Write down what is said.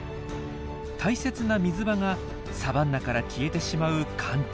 大切な水場がサバンナから消えてしまう乾季。